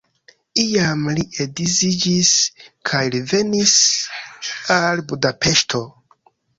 Iam li edziĝis kaj revenis al Budapeŝto.